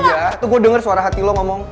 iya tuh gue denger suara hati lo ngomong